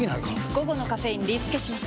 午後のカフェインリスケします！